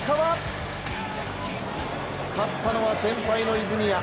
勝ったのは、先輩の泉谷。